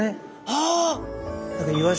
ああ。